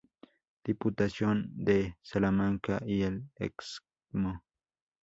Diputación de Salamanca y el Excmo.